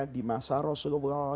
di masa rasulullah